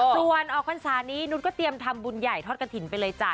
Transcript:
ส่วนออกพรรษานี้นุษย์ก็เตรียมทำบุญใหญ่ทอดกระถิ่นไปเลยจ้ะ